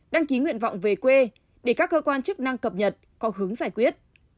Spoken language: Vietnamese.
đăng ký nguyện vọng về quê để các cơ quan chức năng cập nhật có hướng giải quyết